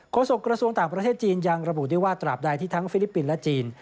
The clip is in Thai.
โศกกระทรวงต่างประเทศจีนยังระบุได้ว่าตราบใดที่ทั้งฟิลิปปินส์และจีน